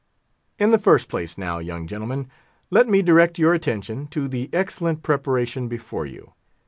"In the first place, now, young gentlemen, let me direct your attention to the excellent preparation before you.